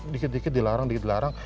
dikit dikit dilarang dilarang